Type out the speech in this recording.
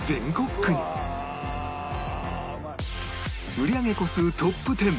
売り上げ個数トップ１０